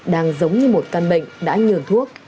đang giống như một căn bệnh đã nhường thuốc